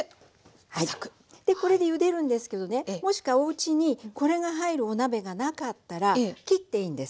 でこれでゆでるんですけどねもしくはおうちにこれが入るお鍋がなかったら切っていいんです。